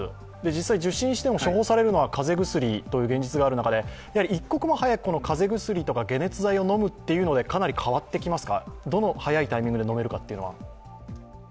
実際受診しても処方されるのは風邪薬という現実がある中で一刻も早く風邪薬とか解熱剤を飲むというのでかなり変わってきますか、どの早いタイミングで飲めるというのは？